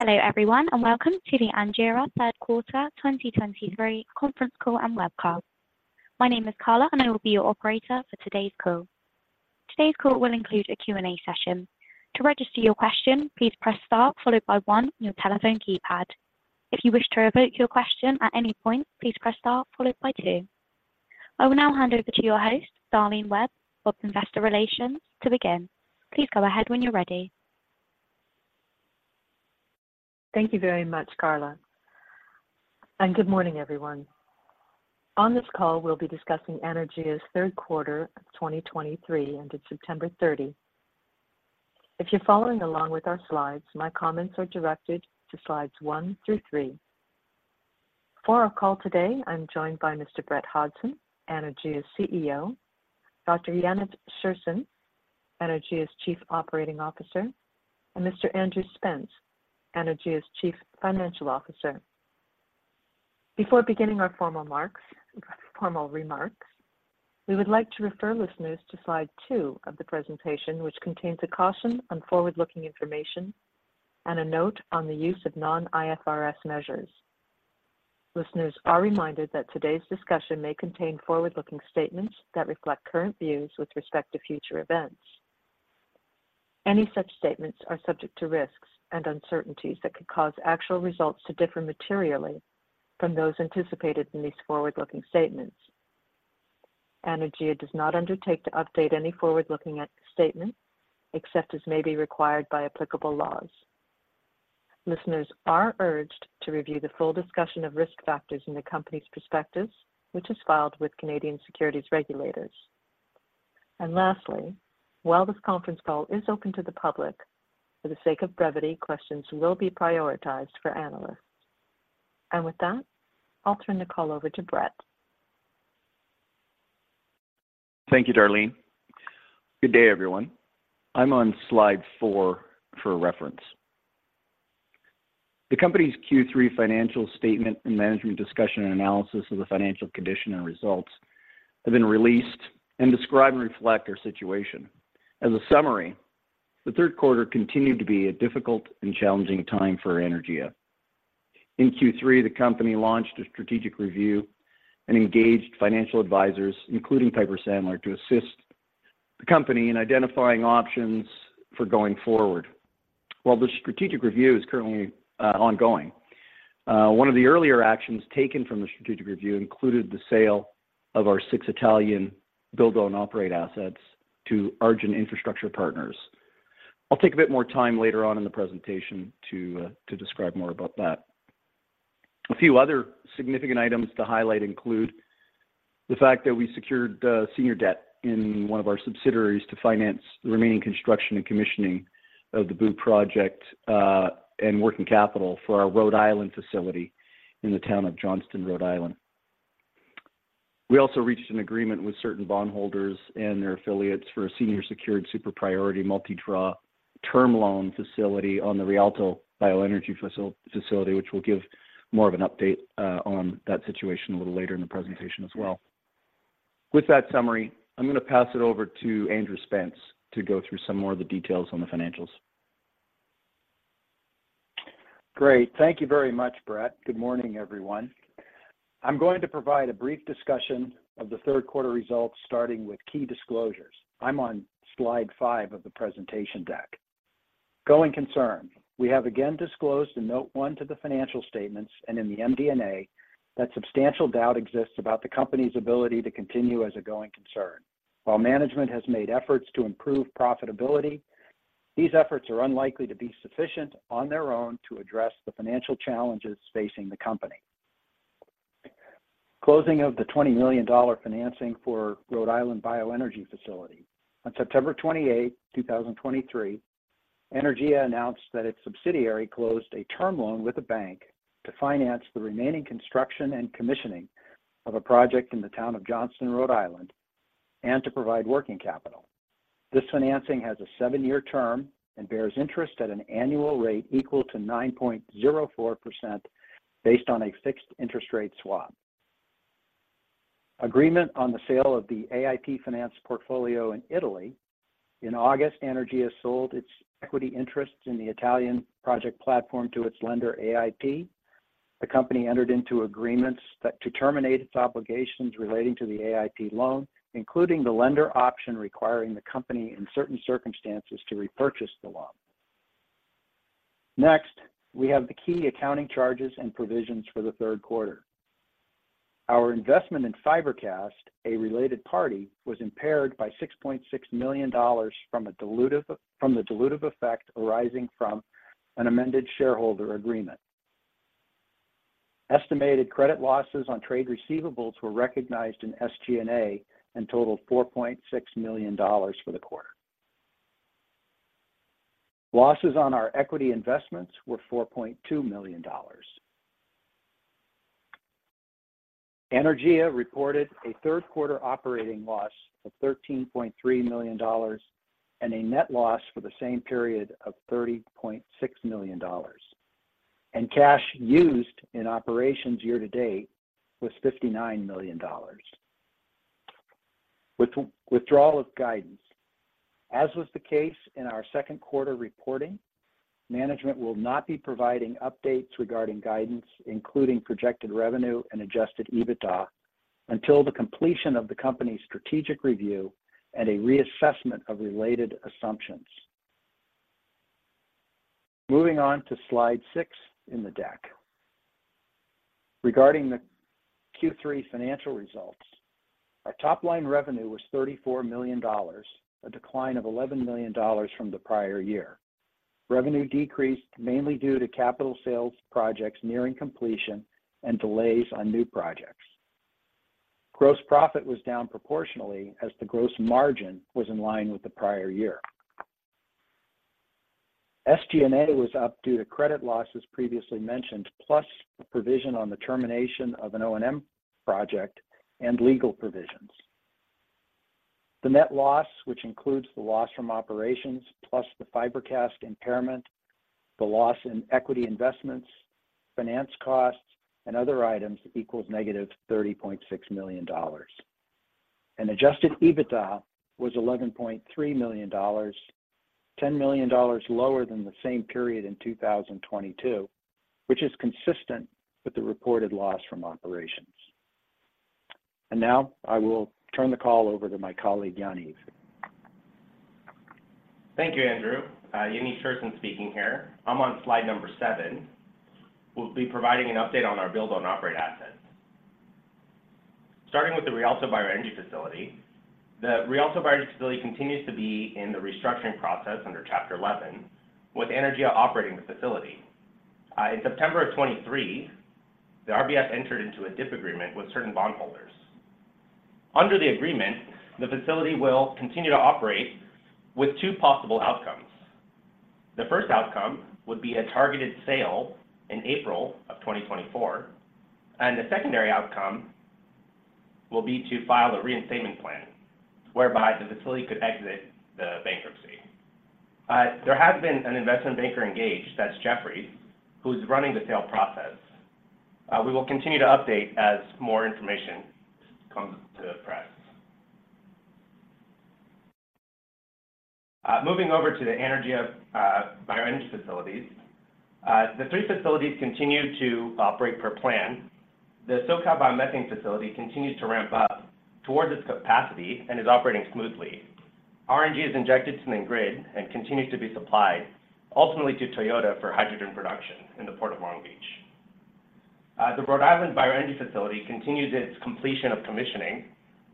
Hello, everyone, and welcome to the Anaergia Third Quarter 2023 Conference Call and Webcast. My name is Carla, and I will be your operator for today's call. Today's call will include a Q&A session. To register your question, please press star followed by One on your telephone keypad. If you wish to revoke your question at any point, please press star followed by two. I will now hand over to your host, Darlene Webb of Investor Relations, to begin. Please go ahead when you're ready. Thank you very much, Carla, and good morning, everyone. On this call, we'll be discussing Anaergia's third quarter of 2023 ended September 30th. If you're following along with our slides, my comments are directed to slides one through three. For our call today, I'm joined by Mr. Brett Hodson, Anaergia's CEO, Dr. Yaniv Scherson, Anaergia's Chief Operating Officer, and Mr. Andrew Spence, Anaergia's Chief Financial Officer. Before beginning our formal remarks, we would like to refer listeners to slide two of the presentation, which contains a caution on forward-looking information and a note on the use of non-IFRS measures. Listeners are reminded that today's discussion may contain forward-looking statements that reflect current views with respect to future events. Any such statements are subject to risks and uncertainties that could cause actual results to differ materially from those anticipated in these forward-looking statements. Anaergia does not undertake to update any forward-looking statement, except as may be required by applicable laws. Listeners are urged to review the full discussion of risk factors in the company's prospectus, which is filed with Canadian securities regulators. Lastly, while this conference call is open to the public, for the sake of brevity, questions will be prioritized for analysts. With that, I'll turn the call over to Brett. Thank you, Darlene. Good day, everyone. I'm on slide four for reference. The company's Q3 financial statement and management discussion and analysis of the financial condition and results have been released and describe and reflect our situation. As a summary, the third quarter continued to be a difficult and challenging time for Anaergia. In Q3, the company launched a strategic review and engaged financial advisors, including Piper Sandler, to assist the company in identifying options for going forward. While the strategic review is currently ongoing, one of the earlier actions taken from the strategic review included the sale of our six Italian build-own-operate assets to Argent Infrastructure Partners. I'll take a bit more time later on in the presentation to describe more about that. A few other significant items to highlight include the fact that we secured senior debt in one of our subsidiaries to finance the remaining construction and commissioning of the BOOT project, and working capital for our Rhode Island facility in the town of Johnston, Rhode Island. We also reached an agreement with certain bondholders and their affiliates for a senior secured super priority multi-draw term loan facility on the Rialto Bioenergy Facility, which we'll give more of an update on that situation a little later in the presentation as well. With that summary, I'm going to pass it over to Andrew Spence to go through some more of the details on the financials. Great. Thank you very much, Brett. Good morning, everyone. I'm going to provide a brief discussion of the third quarter results, starting with key disclosures. I'm on slide five of the presentation deck. Going concern. We have again disclosed in note one to the financial statements and in the MD&A, that substantial doubt exists about the company's ability to continue as a going concern. While management has made efforts to improve profitability, these efforts are unlikely to be sufficient on their own to address the financial challenges facing the company. Closing of the $20 million financing for Rhode Island Bioenergy Facility. On September 28th, 2023, Anaergia announced that its subsidiary closed a term loan with a bank to finance the remaining construction and commissioning of a project in the town of Johnston, Rhode Island, and to provide working capital. This financing has a 7-year term and bears interest at an annual rate equal to 9.04% based on a fixed interest rate swap. Agreement on the sale of the AIP finance portfolio in Italy. In August, Anaergia sold its equity interest in the Italian project platform to its lender, AIP. The company entered into agreements that to terminate its obligations relating to the AIP loan, including the lender option, requiring the company, in certain circumstances, to repurchase the loan. Next, we have the key accounting charges and provisions for the third quarter. Our investment in FibreCast, a related party, was impaired by $6.6 million from the dilutive effect arising from an amended shareholder agreement. Estimated credit losses on trade receivables were recognized in SG&A and totaled $4.6 million for the quarter. Losses on our equity investments were 4.2 million dollars. Anaergia reported a third-quarter operating loss of 13.3 million dollars and a net loss for the same period of 30.6 million dollars, and cash used in operations year to date was 59 million dollars. withdrawal of guidance. As was the case in our second quarter reporting, management will not be providing updates regarding guidance, including projected revenue and Adjusted EBITDA, until the completion of the company's strategic review and a reassessment of related assumptions. Moving on to slide 6 in the deck. Regarding the Q3 financial results, our top-line revenue was $34 million, a decline of $11 million from the prior year. Revenue decreased mainly due to capital sales projects nearing completion and delays on new projects. Gross profit was down proportionally as the gross margin was in line with the prior year. SG&A was up due to credit losses previously mentioned, plus a provision on the termination of an O&M project and legal provisions. The net loss, which includes the loss from operations plus the FibreCast impairment, the loss in equity investments, finance costs, and other items, equals -$30.6 million. Adjusted EBITDA was $11.3 million, $10 million lower than the same period in 2022, which is consistent with the reported loss from operations. Now I will turn the call over to my colleague, Yaniv. Thank you, Andrew. Yaniv Scherson speaking here. I'm on slide number 7. We'll be providing an update on our build-own-operate assets. Starting with the Rialto Bioenergy Facility, the Rialto Bioenergy Facility continues to be in the restructuring process under Chapter 11, with Anaergia operating the facility. In September 2023, the RBF entered into a DIP agreement with certain bondholders. Under the agreement, the facility will continue to operate with two possible outcomes. The first outcome would be a targeted sale in April 2024, and the secondary outcome will be to file a reinstatement plan, whereby the facility could exit the bankruptcy. There has been an investment banker engaged, that's Jefferies, who's running the sale process. We will continue to update as more information comes to press. Moving over to the Anaergia Bioenergy facilities. The three facilities continue to operate per plan. The SoCal Biomethane Facility continues to ramp up towards its capacity and is operating smoothly. RNG is injected to the grid and continues to be supplied ultimately to Toyota for hydrogen production in the Port of Long Beach. The Rhode Island Bioenergy Facility continues its completion of commissioning,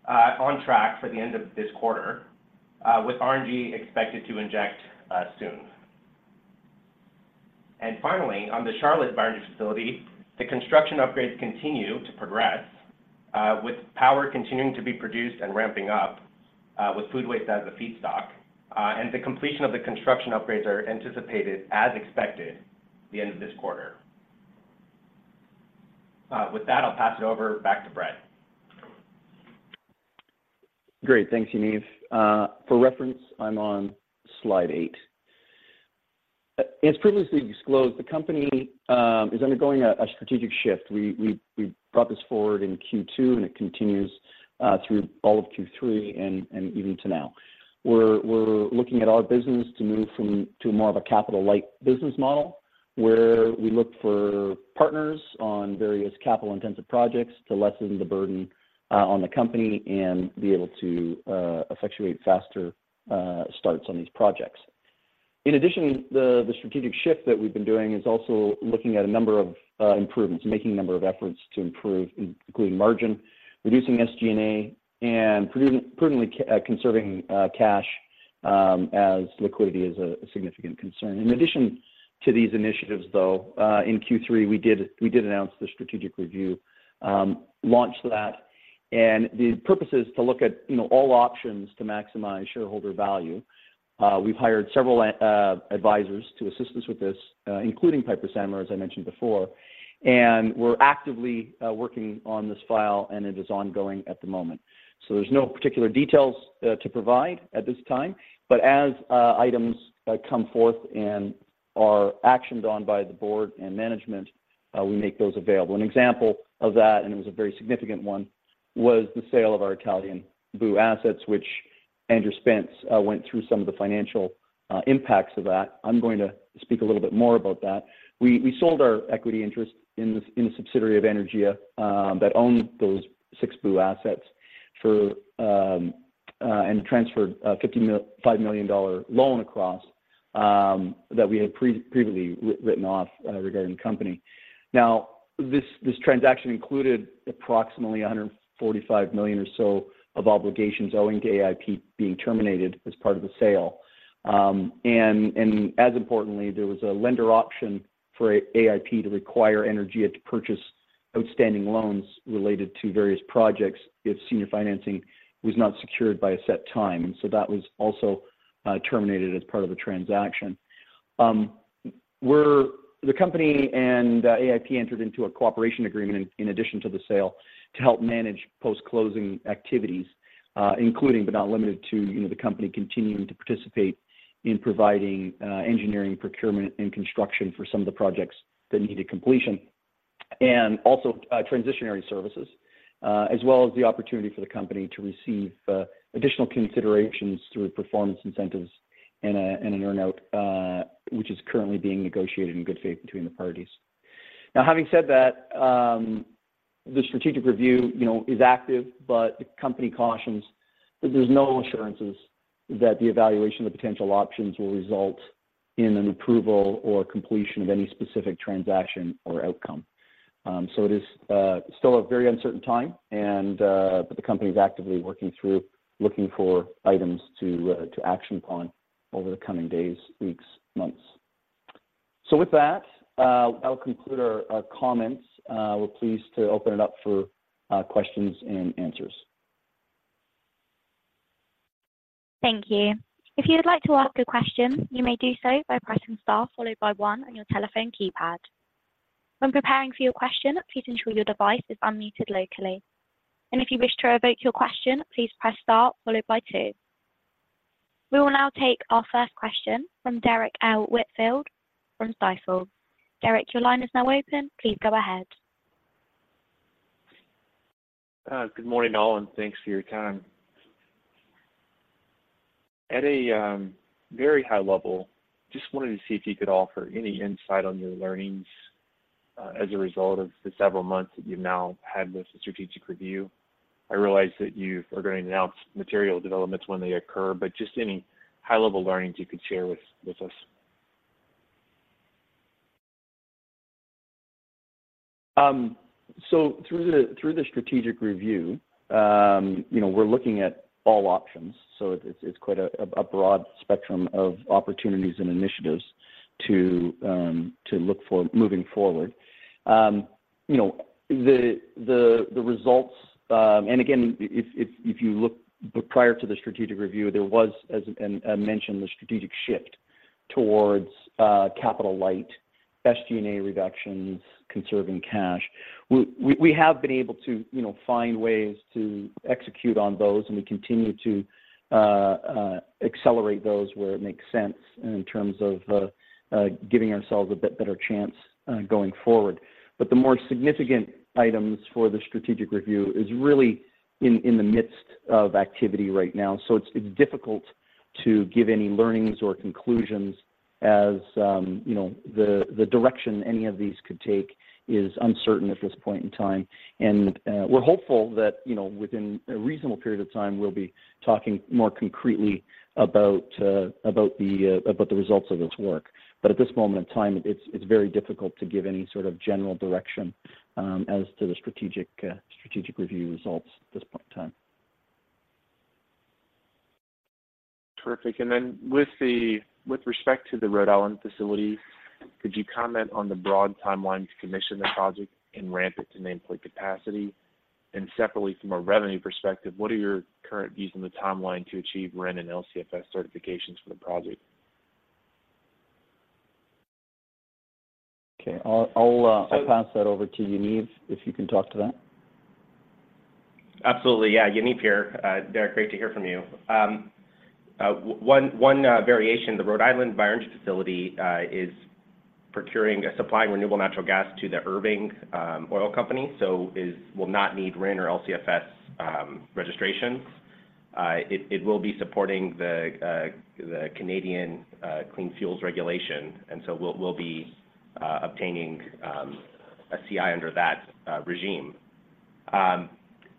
on track for the end of this quarter, with RNG expected to inject soon. And finally, on the Charlotte Bioenergy Facility, the construction upgrades continue to progress, with power continuing to be produced and ramping up, with food waste as a feedstock, and the completion of the construction upgrades are anticipated, as expected, the end of this quarter. With that, I'll pass it over back to Brett. Great. Thanks, Yaniv. For reference, I'm on slide eight. As previously disclosed, the company is undergoing a strategic shift. We brought this forward in Q2, and it continues through all of Q3 and even to now. We're looking at our business to move from to more of a capital-light business model, where we look for partners on various capital-intensive projects to lessen the burden on the company and be able to effectuate faster starts on these projects. In addition, the strategic shift that we've been doing is also looking at a number of improvements, making a number of efforts to improve, including margin, reducing SG&A, and prudently conserving cash as liquidity is a significant concern. In addition to these initiatives, though, in Q3, we did announce the strategic review, launched that, and the purpose is to look at, you know, all options to maximize shareholder value. We've hired several advisors to assist us with this, including Piper Sandler, as I mentioned before, and we're actively working on this file, and it is ongoing at the moment. So there's no particular details to provide at this time, but as items come forth and are actioned on by the board and management, we make those available. An example of that, and it was a very significant one, was the sale of our Italian BOO assets, which Andrew Spence went through some of the financial impacts of that. I'm going to speak a little bit more about that. We sold our equity interest in a subsidiary of Anaergia that owned those six BOO assets and transferred a $5 million loan across that we had previously written off regarding the company. Now, this transaction included approximately $145 million or so of obligations owing to AIP being terminated as part of the sale. And as importantly, there was a lender option for AIP to require Anaergia to purchase outstanding loans related to various projects if senior financing was not secured by a set time, and so that was also terminated as part of the transaction. We're the company and AIP entered into a cooperation agreement in addition to the sale to help manage post-closing activities, including, but not limited to, you know, the company continuing to participate in providing engineering, procurement, and construction for some of the projects that needed completion, and also transitional services, as well as the opportunity for the company to receive additional considerations through performance incentives and an earn-out, which is currently being negotiated in good faith between the parties. Now, having said that, the strategic review, you know, is active, but the company cautions that there's no assurances that the evaluation of potential options will result in an approval or completion of any specific transaction or outcome. So it is still a very uncertain time, and, but the company is actively working through, looking for items to to action upon over the coming days, weeks, months. So with that, I'll conclude our comments. We're pleased to open it up for questions and answers. Thank you. If you would like to ask a question, you may do so by pressing star followed by one on your telephone keypad. When preparing for your question, please ensure your device is unmuted locally. If you wish to revoke your question, please press star followed by two. We will now take our first question from Derrick L. Whitfield from Stifel. Derrick, your line is now open. Please go ahead. Good morning, all, and thanks for your time. At a very high level, just wanted to see if you could offer any insight on your learnings as a result of the several months that you've now had with the strategic review. I realize that you are going to announce material developments when they occur, but just any high-level learnings you could share with us? So through the strategic review, you know, we're looking at all options, so it's quite a broad spectrum of opportunities and initiatives to look for moving forward. You know, the results... and again, if you look prior to the strategic review, there was, as I mentioned, the strategic shift towards capital light, SG&A reductions, conserving cash. We have been able to, you know, find ways to execute on those, and we continue to accelerate those where it makes sense in terms of giving ourselves a bit better chance going forward. But the more significant items for the strategic review is really in the midst of activity right now. So it's difficult to give any learnings or conclusions as, you know, the direction any of these could take is uncertain at this point in time. And we're hopeful that, you know, within a reasonable period of time, we'll be talking more concretely about the results of this work. But at this moment in time, it's very difficult to give any sort of general direction as to the strategic review results at this point in time. Terrific. And then with respect to the Rhode Island facility, could you comment on the broad timeline to commission the project and ramp it to nameplate capacity? And separately, from a revenue perspective, what are your current views on the timeline to achieve RIN and LCFS certifications for the project? Okay. I'll pass that over to Yaniv, if you can talk to that. Absolutely. Yeah, Yaniv here. Derek, great to hear from you. One variation, the Rhode Island Bioenergy Facility is procuring a supply of renewable natural gas to the Irving Oil company, so it will not need RIN or LCFS registrations. It will be supporting the Canadian Clean Fuel Regulations, and so will be obtaining a CI under that regime.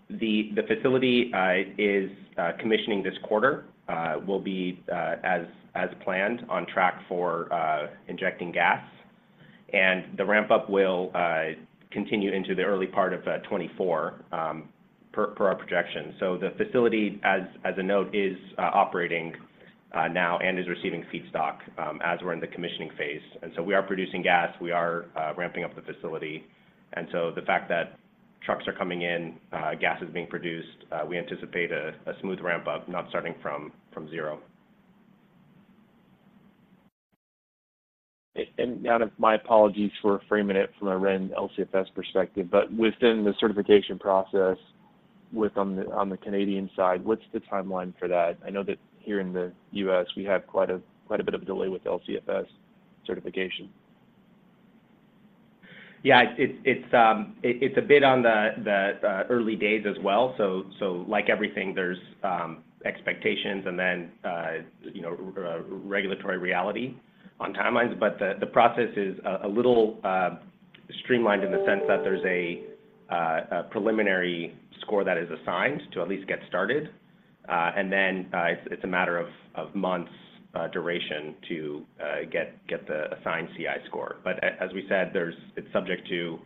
The facility is commissioning this quarter, will be as planned on track for injecting gas, and the ramp-up will continue into the early part of 2024, per our projections. So the facility, as a note, is operating now and is receiving feedstock, as we're in the commissioning phase. We are producing gas, we are ramping up the facility. The fact that trucks are coming in, gas is being produced, we anticipate a smooth ramp-up, not starting from zero. My apologies for framing it from a RIN, LCFS perspective, but within the certification process on the Canadian side, what's the timeline for that? I know that here in the U.S., we have quite a bit of a delay with LCFS certification. Yeah, it's a bit on the early days as well. So, like everything, there's expectations and then, you know, regulatory reality on timelines, but the process is a little streamlined in the sense that there's a preliminary score that is assigned to at least get started. And then, it's a matter of months duration to get the assigned CI score. But as we said, there's, it's subject to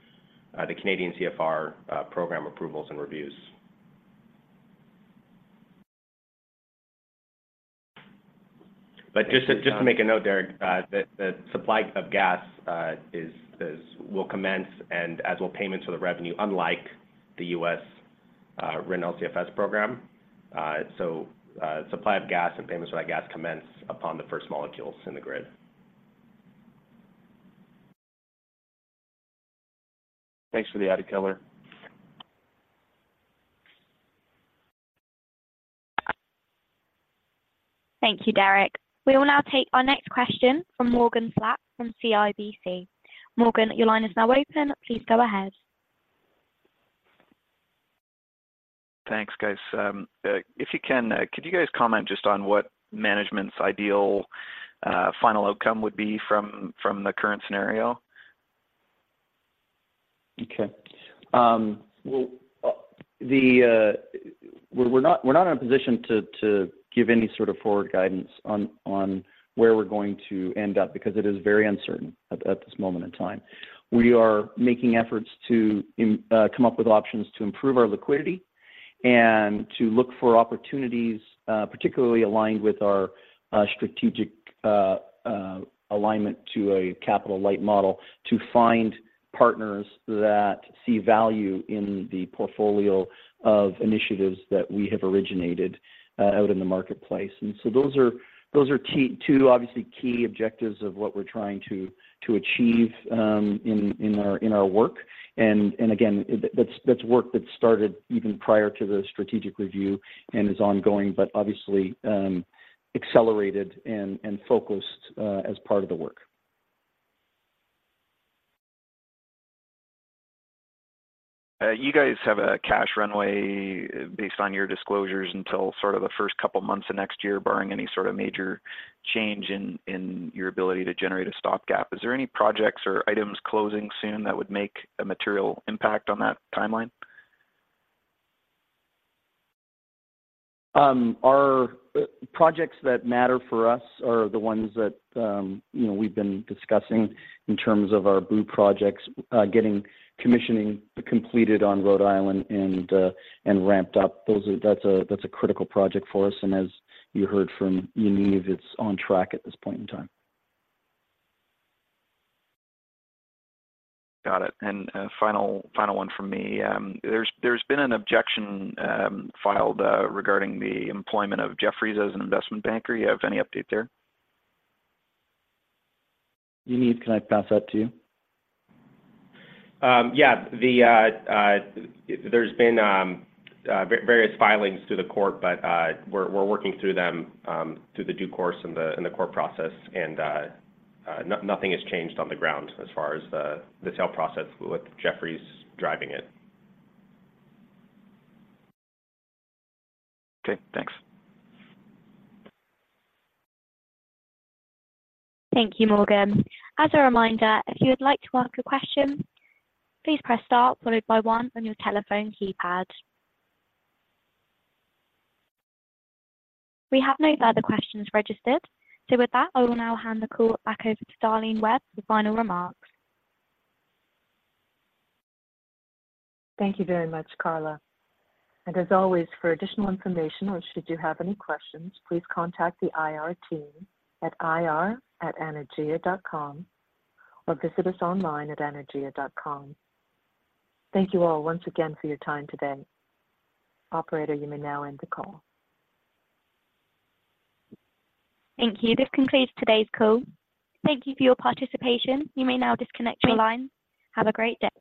the Canadian CFR program approvals and reviews. But just to make a note, Derek, that the supply of gas is, will commence and as will payments for the revenue, unlike the U.S. RIN LCFS program. So, supply of gas and payments for that gas commence upon the first molecules in the grid. Thanks for the added color.... Thank you, Derek. We will now take our next question from Morgan Slapp from CIBC. Morgan, your line is now open. Please go ahead. Thanks, guys. If you can, could you guys comment just on what management's ideal final outcome would be from the current scenario? Okay. Well, we're not in a position to give any sort of forward guidance on where we're going to end up because it is very uncertain at this moment in time. We are making efforts to come up with options to improve our liquidity and to look for opportunities, particularly aligned with our strategic alignment to a capital light model, to find partners that see value in the portfolio of initiatives that we have originated out in the marketplace. And so those are two obviously key objectives of what we're trying to achieve in our work. And again, that's work that started even prior to the strategic review and is ongoing, but obviously accelerated and focused as part of the work. You guys have a cash runway based on your disclosures until sort of the first couple months of next year, barring any sort of major change in your ability to generate a stopgap. Is there any projects or items closing soon that would make a material impact on that timeline? Our projects that matter for us are the ones that, you know, we've been discussing in terms of our BOO projects, getting commissioning completed on Rhode Island and ramped up. Those are. That's a, that's a critical project for us, and as you heard from Yaniv, it's on track at this point in time. Got it. And, final, final one from me. There's been an objection filed regarding the employment of Jefferies as an investment banker. You have any update there? Yaniv, can I pass that to you? Yeah. There's been various filings to the court, but we're working through them through the due course in the court process, and nothing has changed on the ground as far as the sale process, with Jefferies driving it. Okay, thanks. Thank you, Morgan. As a reminder, if you would like to ask a question, please press star followed by one on your telephone keypad. We have no further questions registered. With that, I will now hand the call back over to Darlene Webb for final remarks. Thank you very much, Carla. As always, for additional information or should you have any questions, please contact the IR team at ir@anaergia.com or visit us online at anaergia.com. Thank you all once again for your time today. Operator, you may now end the call. Thank you. This concludes today's call. Thank you for your participation. You may now disconnect your line. Have a great day.